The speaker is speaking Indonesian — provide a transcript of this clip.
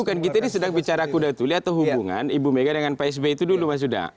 bukan kita sedang bicara kudatuli atau hubungan ibu mega dengan pak sby itu dulu mas yuda